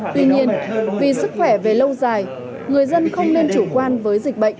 tuy nhiên vì sức khỏe về lâu dài người dân không nên chủ quan với dịch bệnh